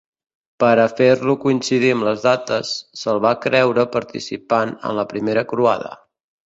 Per a fer-lo coincidir amb les dates, se'l va creure participant en la Primera Croada.